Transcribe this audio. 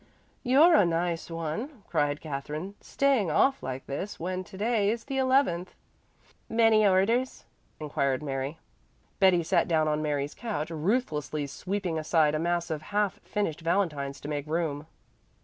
"You're a nice one," cried Katherine, "staying off like this when to day is the eleventh." "Many orders?" inquired Mary. Betty sat down on Mary's couch, ruthlessly sweeping aside a mass of half finished valentines to make room.